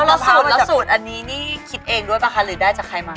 แล้วสรุปแล้วสูตรอันนี้นี่คิดเองด้วยป่ะคะหรือได้จากใครมา